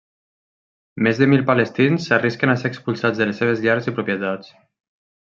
Més de mil palestins s'arrisquen a ser expulsats de les seves llars i propietats.